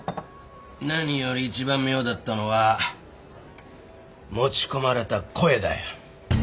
何より一番妙だったのは持ち込まれた声だよ。